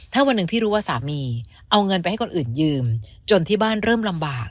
ถ้าวันหนึ่งพี่รู้ว่าสามีเอาเงินไปให้คนอื่นยืมจนที่บ้านเริ่มลำบาก